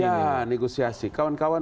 ya negosiasi kawan kawan